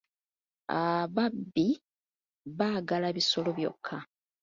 Ababbi baagala bisolo byokka.